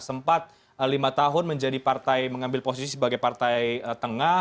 sempat lima tahun menjadi partai mengambil posisi sebagai partai tengah